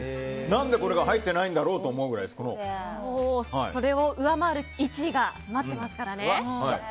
何でこれが入ってないんだろうとそれを上回る１位が待ってますからね。